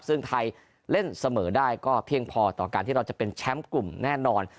ซึ่งไทยเล่นเสมอได้ก็เพียงพอต่อการที่เราจะเป็นแชมป์กลุ่มแน่นอน